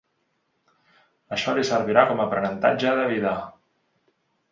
Això li servirà com a aprenentatge de vida.